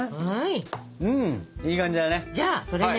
うんいい感じだね。